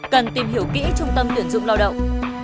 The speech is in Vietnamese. cần tìm hiểu kỹ trung tâm tuyển dụng lao động